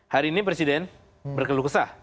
hari ini presiden berkeluh kesah